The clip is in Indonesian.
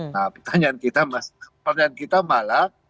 nah pertanyaan kita malah